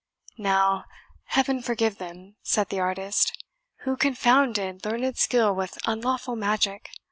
"Now, Heaven forgive them," said the artist, "who confounded learned skill with unlawful magic!